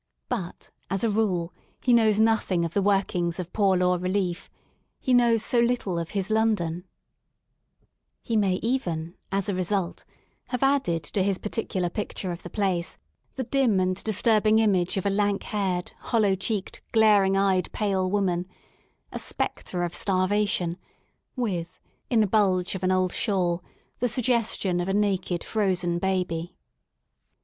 But as a rule he knows nothing of the workings of Poor Law Relief He knows so little of his London, He may even, as a result, have added to his particular picture of the place, the dim and disturbing image of a lank haired, hollow cheeked, glaring eyed, pale woman, — a Spectre of Starvation with, in the bulge of an old shawl, the suggestion of a naked, frozen baby.